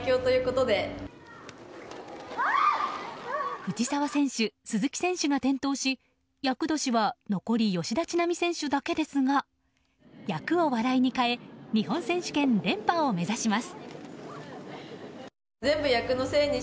藤澤選手、鈴木選手が転倒し厄年は残り吉田知那美選手だけですが厄を笑いに変え日本選手権連覇を目指します。